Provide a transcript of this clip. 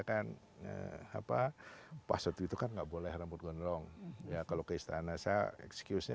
kan apa pas waktu itu kan nggak boleh rambut gondong ya kalau ke istana saya excuse nya